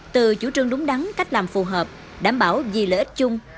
từ chủ trương đúng đắn cách làm phù hợp đảm bảo vì lợi ích chung